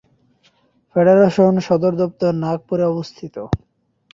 Federation সদর দফতর নাগপুরে অবস্থিত।